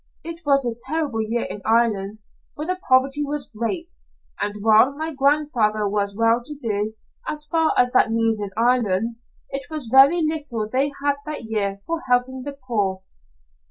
It was a terrible year in Ireland, for the poverty was great, and while my grandfather was well to do, as far as that means in Ireland, it was very little they had that year for helping the poor."